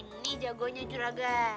mini jagonya juragan